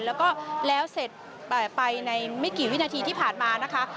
แล้วก็แล้วเสร็จไปในไม่กี่วินาทีที่ผ่านมานะคะ